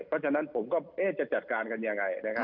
เพราะฉะนั้นผมก็จะจัดการกันยังไง